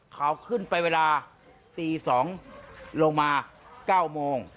เขาขึ้นไปเวลาตี๒ลงมา๙โมง